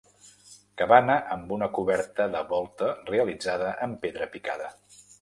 Cabana amb una coberta de volta realitzada amb pedra picada.